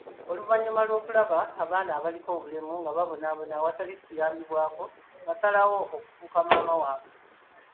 Oluvannyuma lw'okulaba abaana abaliko obulemu nga babonabona awatali kuyambibwako, n'asalawo okufuuka maama waabwe.